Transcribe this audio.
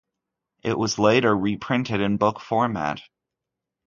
It was later re-printed in book format.